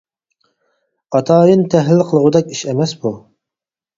ئاتايىن تەھلىل قىلغۇدەك ئىش ئەمەس بۇ.